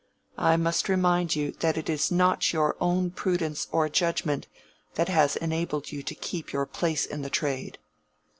I must remind you that it is not your own prudence or judgment that has enabled you to keep your place in the trade."